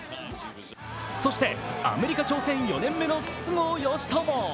そしてアメリカ挑戦４年目の筒香嘉智。